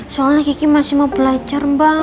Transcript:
soalnya kiki masih mau belajar mbak